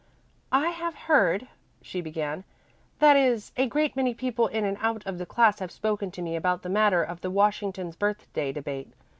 "I have heard," she began, "that is a great many people in and out of the class have spoken to me about the matter of the Washington's Birthday debate.